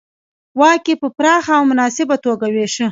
واک یې په پراخه او مناسبه توګه وېشه